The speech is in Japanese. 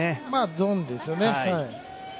ゾーンですよね。